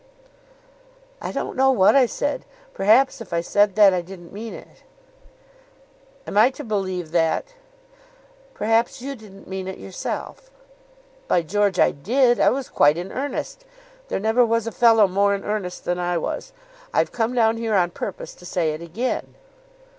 "I don't know what I said. Perhaps if I said that, I didn't mean it." "Am I to believe that?" "Perhaps you didn't mean it yourself." "By George, I did. I was quite in earnest. There never was a fellow more in earnest than I was. I've come down here on purpose to say it again."